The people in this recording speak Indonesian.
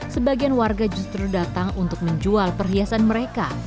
sebagian warga justru datang untuk menjual perhiasan mereka